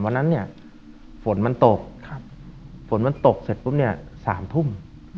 วันนั้นเนี่ยฝนมันตกฝนมันตกเสร็จปุ๊บเนี่ย๓ทุ่ม